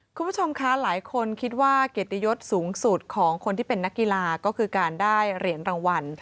คุณผู้ชมคะหลายคนคิดว่าเกียรติยศสูงสุดของคนที่เป็นนักกีฬาก็คือการได้เหรียญรางวัล